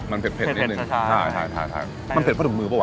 มันเผ็ดเผ็ดนิดนึงใช่ใช่ใช่ใช่มันเผ็ดพอถึงมือเปล่าวะ